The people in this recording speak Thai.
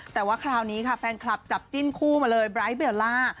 แต่ว่าคราวนี้ค่ะแฟนคลับจับจิ้นคู่มาเลยไบร์ทเบลล่า